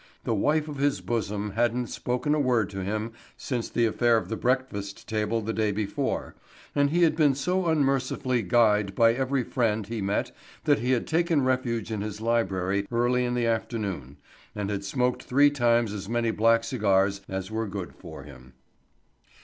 The wife of his bosom hadn't spoken a word to him since the affair of the breakfast table the day before and he had been so unmercifully "guyed" by every friend he met that he had taken refuge in his library early in the afternoon and had smoked three times as many black cigars as were good for him.